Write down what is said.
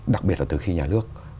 đặc biệt là từ khi nhà nước